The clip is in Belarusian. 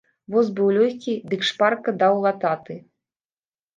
Воз быў лёгкі, дык шпарка даў лататы.